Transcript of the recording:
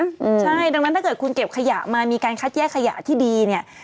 อืมใช่ดังนั้นถ้าเกิดคุณเก็บขยะมามีการคัดแยกขยะที่ดีเนี่ย